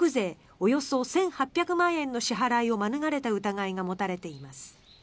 およそ１８００万円の支払いを免れた疑いが持たれています。